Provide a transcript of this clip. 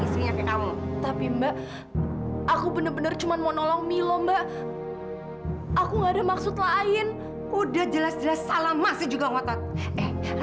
sampai jumpa di video selanjutnya